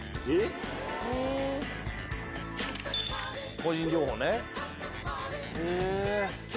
個人情報ね。